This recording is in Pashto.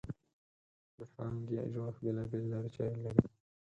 د پانګې جوړښت بېلابېلې لارې چارې لري.